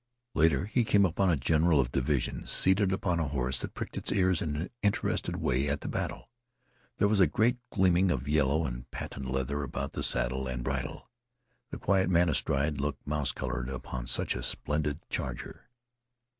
Later he came upon a general of division seated upon a horse that pricked its ears in an interested way at the battle. There was a great gleaming of yellow and patent leather about the saddle and bridle. The quiet man astride looked mouse colored upon such a splendid charger.